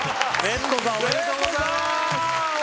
レッドさんおめでとうございます